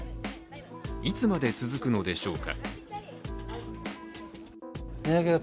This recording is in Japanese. いつまで続くのでしょうか。